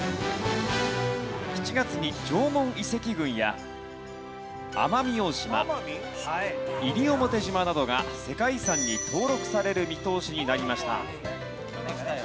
７月に縄文遺跡群や奄美大島西表島などが世界遺産に登録される見通しになりました。